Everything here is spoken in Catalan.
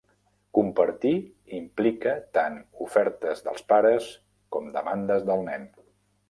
Compartir implica tant ofertes dels pares com demandes del nen.